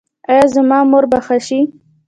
ایا زما مور به ښه شي؟